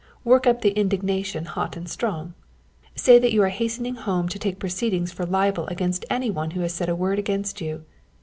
Work up the indignation hot and strong say that you are hastening home to take proceedings for libel against any one who has said a word against you.